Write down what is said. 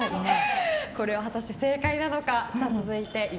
これは果たして正解なのか。